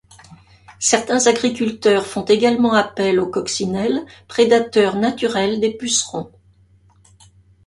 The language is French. Certains agriculteurs font également appel aux coccinelles, prédateurs naturels des pucerons.